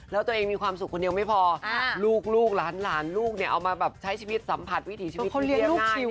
แล้วตัวเองมีความสุขคนเดียวไม่พอลูกหลานลูกเนี่ยเอามาแบบใช้ชีวิตสัมผัสวิถีชีวิต